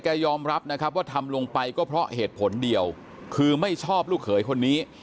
ยอมรับนะครับว่าทำลงไปก็เพราะเหตุผลเดียวคือไม่ชอบลูกเขยคนนี้